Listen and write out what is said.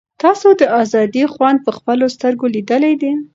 تاسو د آزادۍ خوند په خپلو سترګو لیدلی دی.